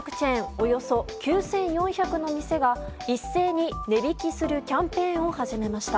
およそ９４００の店が一斉に値引きするキャンペーンを始めました。